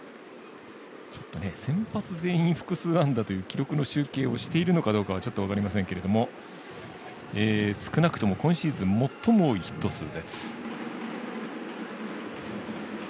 ちょっと先発全員複数安打という記録の集計をしているかはちょっと分かりませんけども少なくとも今シーズン最も多いヒット数です。